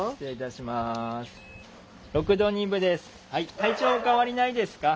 体調お変わりないですか？